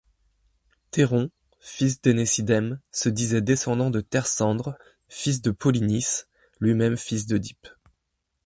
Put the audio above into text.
Théron, fils d'Ainésidème, se disait descendant de Thersandre, fils de Polynice, lui-même fils d'Œdipe.